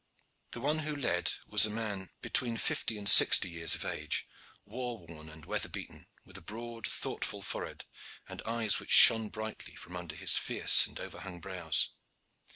The one who led was a man between fifty and sixty years of age, war worn and weather beaten, with a broad, thoughtful forehead and eyes which shone brightly from under his fierce and overhung brows.